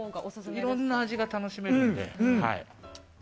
いろいろな味が楽しめるので。